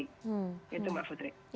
itu mbak putri